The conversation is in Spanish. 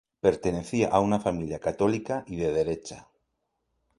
Pertenecía a una familia católica y de derecha.